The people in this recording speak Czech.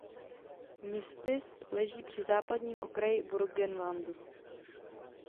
Městys leží při západním okraji Burgenlandu.